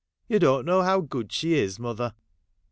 You don't know how good she is, mother